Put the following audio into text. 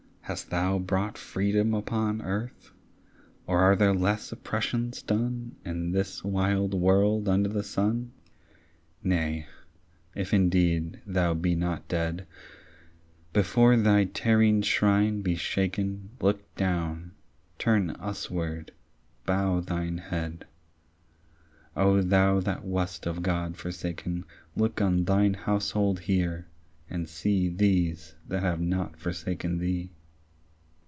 Hast thou brought freedom upon earth? Or are there less oppressions done In this wild world under the sun? Nay, if indeed thou be not dead, Before thy terrene shrine be shaken, Look down, turn usward, bow thine head; O thou that wast of God forsaken, Look on thine household here, and see These that have not forsaken thee.